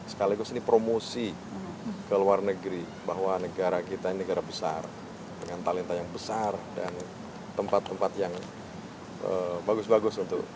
sekaligus ini promosi ke luar negeri bahwa negara kita ini negara besar dengan talenta yang besar dan tempat tempat yang bagus bagus untuk